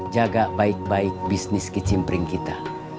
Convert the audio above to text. jaga baik baik bisnis kicimpring kita